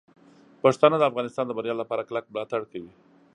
پښتانه د افغانستان د بریا لپاره کلک ملاتړ کوي.